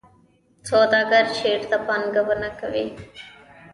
سوداګر چیرته پانګونه کوي؟